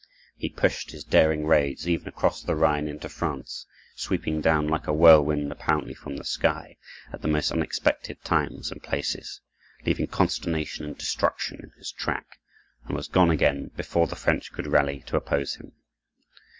He pushed his daring raids even across the Rhine into France, sweeping down like a whirlwind apparently from the sky, at the most unexpected times and places, leaving consternation and destruction in his track, and was gone again before the French could rally to oppose him.